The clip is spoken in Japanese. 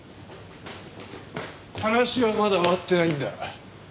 話はまだ終わってないんだ。